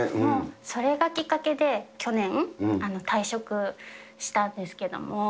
それがきっかけで、去年、退職したんですけども。